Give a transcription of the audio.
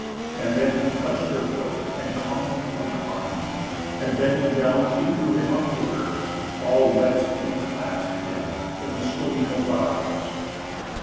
And then he clutched her foot, and clung, and climbed; and bending down, she drew him up to her, all wet, and clasped him in the swing of boughs.